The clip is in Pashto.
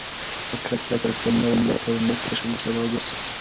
د کرکې څرګندول د ټولنیز تشدد سبب ګرځي.